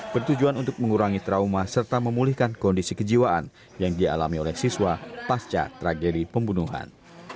bertujuan untuk mengurangi trauma serta memulihkan kondisi kejiwaan yang dialami oleh siswa pasca tragedi pembunuhan